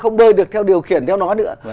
không bơi được theo điều khiển theo nó nữa